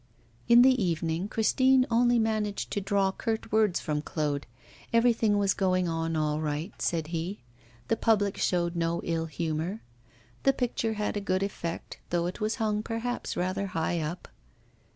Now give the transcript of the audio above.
In the evening Christine only managed to draw curt words from Claude; everything was going on all right, said he; the public showed no ill humour; the picture had a good effect, though it was hung perhaps rather high up.